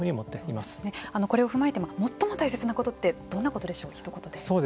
これを踏まえても最も大切なことってどんなことでしょう？